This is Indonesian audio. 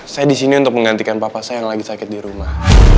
saya di sini untuk menggantikan papa saya yang lagi sakit di rumah